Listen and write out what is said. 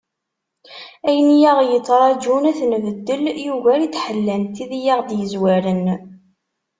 Ayen i aɣ-yettraǧun ad t-nbeddel, yugar i d-ḥellant tid i aɣ-d-yezwaren.